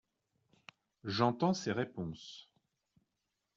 J’entends ces réponses.